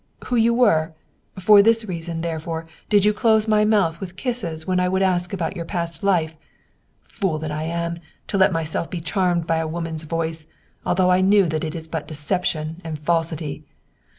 who you were? For this reason, therefore, did you close my mouth with kisses when I would ask about your past life? Fool that I am, to let myself be charmed by a woman's voice, although I knew that it is but deception and falsity.